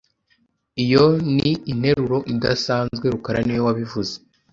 Iyo ni interuro idasanzwe rukara niwe wabivuze